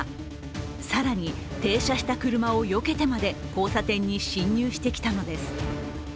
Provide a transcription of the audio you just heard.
更に、停車した車をよけてまで交差点に進入してきたのです。